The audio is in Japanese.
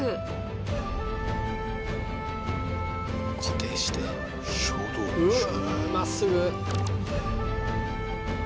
固定してまっすぐ。